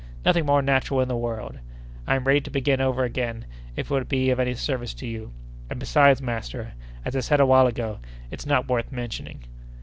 Nothing more natural in the world! I'm ready to begin over again, if it would be of any service to you. And besides, master, as I said a while ago, it's not worth mentioning."